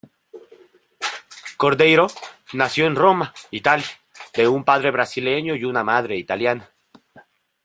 Cordeiro nació en Roma, Italia de un padre brasileño y una madre italiana.